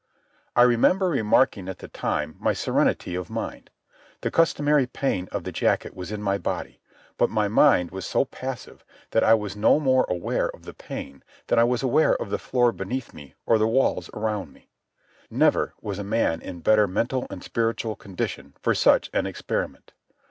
I remember remarking at the time my serenity of mind. The customary pain of the jacket was in my body, but my mind was so passive that I was no more aware of the pain than was I aware of the floor beneath me or the walls around me. Never was a man in better mental and spiritual condition for such an experiment.